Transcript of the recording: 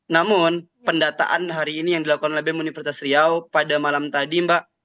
namun pendataan hari ini yang dilakukan oleh bem universitas riau pada malam tadi mbak